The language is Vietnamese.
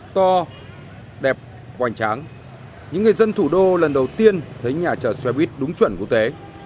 to đẹp hoành tráng những người dân thủ đô lần đầu tiên thấy nhà chở xe buýt đúng chuẩn quốc tế